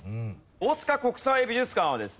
大塚国際美術館はですね